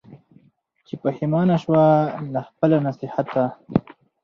چي پښېمانه سوه له خپله نصیحته